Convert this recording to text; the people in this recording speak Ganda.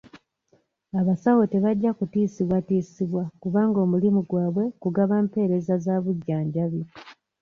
Abasawo tebajja kutiisibwatiisibwa kubanga omulimu gwabwe kugaba mpeereza za bujjanjabi.